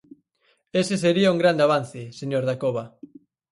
Ese sería un grande avance, señor Dacova.